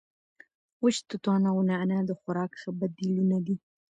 وچ توتان او نعناع د خوراک ښه بدیلونه دي.